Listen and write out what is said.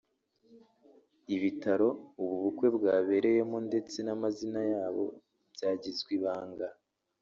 Ibitaro ubu bukwe bwabereyemo ndetse n’amazina yabo byagizwe ibanga